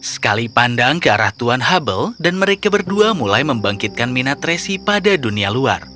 sekali pandang ke arah tuan hable dan mereka berdua mulai membangkitkan minat resi pada dunia luar